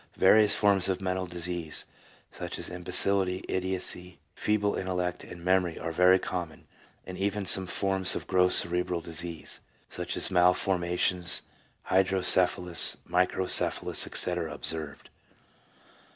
Various forms of mental disease, such as imbecility, idiocy, feeble intellect, and memory are very common, and even some forms of gross cerebral disease, such as malformations, hydrocephalus, micro cephalus, etc., are observed.